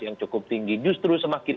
yang cukup tinggi justru semakin